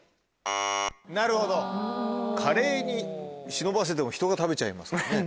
なるほどカレーに忍ばせても人が食べちゃいますからね。